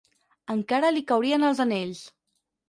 Encara li caurien els anells.